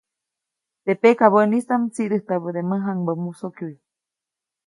Teʼ pakabäʼnistaʼm tsiʼdäjtabäde mäjaŋbä musokyuʼy.